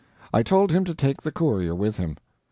I told him to take the courier with him.